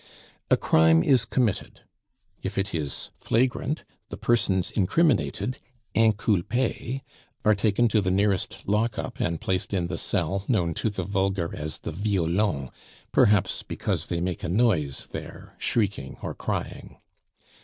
A crime is committed; if it is flagrant, the persons incriminated (inculpes) are taken to the nearest lock up and placed in the cell known to the vulgar as the Violon perhaps because they make a noise there, shrieking or crying.